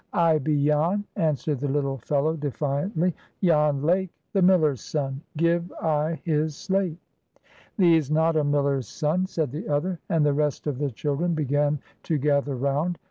"I be Jan!" answered the little fellow, defiantly. "Jan Lake, the miller's son. Give I his slate!" "Thee's not a miller's son," said the other; and the rest of the children began to gather round.